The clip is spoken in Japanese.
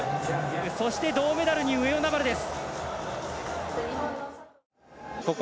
そして銅メダルに上与那原です。